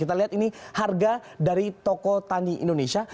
ini harga dari toko tani indonesia